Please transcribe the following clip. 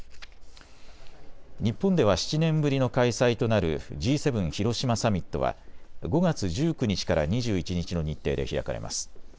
日本では７年ぶりの開催となるＧ７広島サミットは５月１９日から２１日の日程で開かれます。